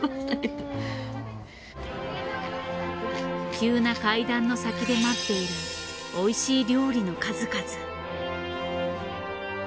急な階段の先で待っているおいしい料理の数々。